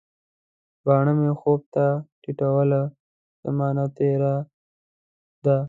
باڼه مي خوب ته ټیټوله، زمانه تیره ده